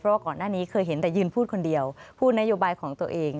ว่าก่อนหน้านี้เคยเห็นแต่ยืนพูดคนเดียวพูดนโยบายของตัวเอง